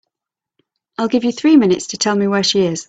I'll give you three minutes to tell me where she is.